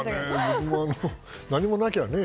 僕も何もなきゃね。